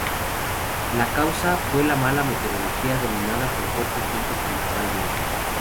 La causa fue la mala meteorología dominada por fuertes vientos principalmente.